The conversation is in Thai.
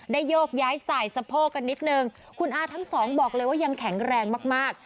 โยกย้ายสายสะโพกกันนิดนึงคุณอาทั้งสองบอกเลยว่ายังแข็งแรงมากมาก